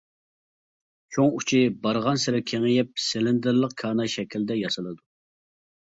چوڭ ئۇچى بارغانسېرى كېڭىيىپ، سىلىندىرلىق كاناي شەكلىدە ياسىلىدۇ.